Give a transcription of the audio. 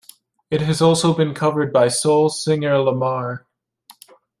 It has also been covered by soul singer Lemar.